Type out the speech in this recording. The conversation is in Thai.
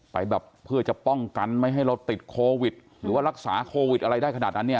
ไปแบบเพื่อจะป้องกันไม่ให้เราติดโควิดหรือว่ารักษาโควิดอะไรได้ขนาดนั้นเนี่ย